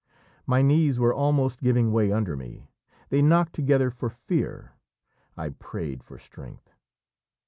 My knees were almost giving way under me; they knocked together for fear. I prayed for strength.